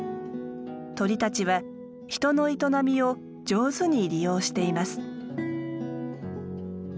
鳥たちは人の営みを上手に利用しています。